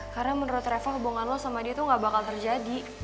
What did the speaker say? karena menurut reva hubungan lo sama dia tuh gak bakal terjadi